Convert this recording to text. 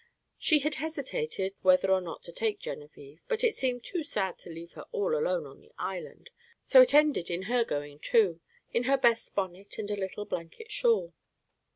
She had hesitated whether or not to take Genevieve, but it seemed too sad to leave her all alone on the island, so it ended in her going too, in her best bonnet and a little blanket shawl.